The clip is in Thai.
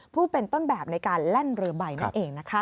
ผู้เป็นต้นแบบในการแล่นเรือใบนั่นเองนะคะ